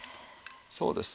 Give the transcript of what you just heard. そうです。